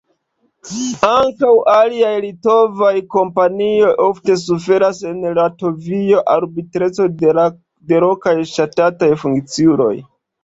Ankaŭ aliaj litovaj kompanioj ofte suferas en Latvio arbitrecon de lokaj ŝtataj funkciuloj.